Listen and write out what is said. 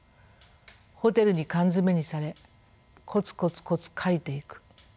ホテルに缶詰めにされコツコツコツ書いていく。